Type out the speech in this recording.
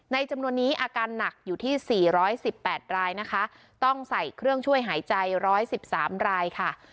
ในจำนวนนี้อาการหนักอยู่ที่สี่ร้อยสิบแปดรายนะคะต้องใส่เครื่องช่วยหายใจร้อยสิบสามรายค่ะ